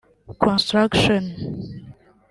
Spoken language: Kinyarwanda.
Construction